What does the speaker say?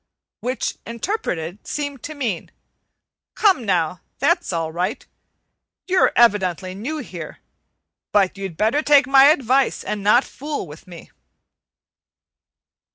which interpreted seemed to mean: "Come now; that's all right. You're evidently new here; but you'd better take my advice and not fool with me."